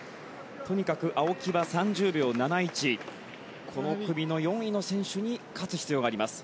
とにかく青木は３０秒７１この組の４位の選手に勝つ必要があります。